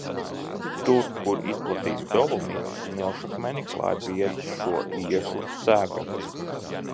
Tur, kur izplatīts dolomīts, smilšakmeni klāj bieza šo iežu sega.